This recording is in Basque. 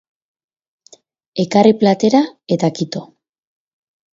Ekarri platera, eta kito.